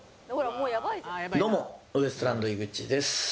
どうもウエストランド井口です。